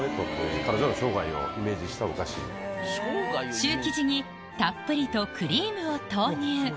シュー生地にたっぷりとクリームを投入